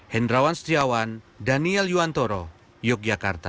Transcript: hendrawan setiawan daniel yuantoro yogyakarta